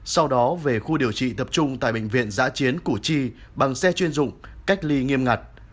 sau đó về khu điều trị tập trung tại bệnh viện giã chiến củ chi bằng xe chuyên dụng cách ly nghiêm ngặt